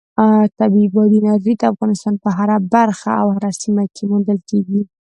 طبیعي بادي انرژي د افغانستان په هره برخه او هره سیمه کې موندل کېږي.